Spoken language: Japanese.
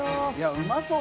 うまそう。